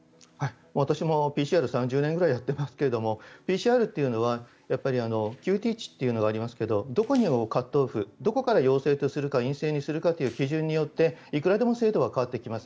私もＰＣＲを３０年くらいやっていますがＰＣＲというのはＱＴ値というのがありますがどこからがカットオフどこから陽性とするか陰性とするかという基準によっていくらでも精度は変わってきます。